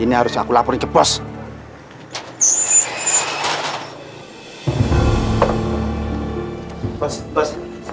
ini harus aku lapor ke bos ini harus aku lapor ke bos